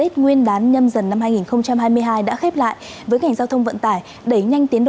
của pháp luật